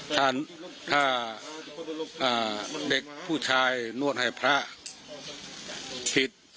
ถ้าเด็กผู้ชายนวดให้พระสิทธิ์